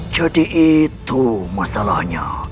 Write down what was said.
jadi itu masalahnya